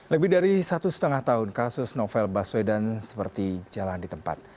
lebih dari satu setengah tahun kasus novel baswedan seperti jalan di tempat